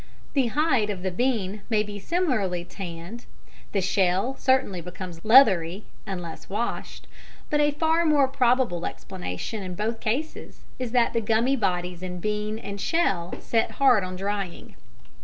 The "hide" of the bean may be similarly "tanned" the shell certainly becomes leathery (unless washed) but a far more probable explanation, in both cases, is that the gummy bodies in bean and shell set hard on drying.